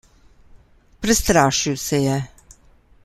Prestrašil se je.